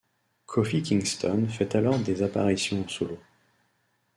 Kofi Kingston fait alors des apparitions en solo.